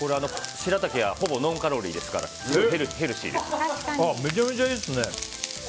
しらたきはほぼノンカロリーですからめちゃめちゃいいですね。